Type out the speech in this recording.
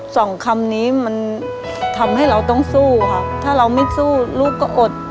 สองคำนี้มันทำให้เราต้องสู้ครับถ้าเราไม่สู้ลูกก็อด